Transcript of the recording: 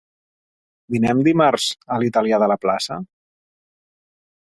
Dinem dimarts a l'italià de la plaça?